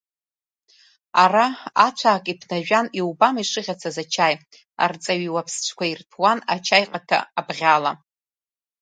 Ара ацәаакы иԥнажәан, иубама ишыӷьацаз ачаи, арҵаҩы иуаԥсҵәқәа ирҭәуан, ачаи ҟата абӷьала.